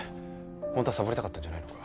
本当はサボりたかったんじゃないのか？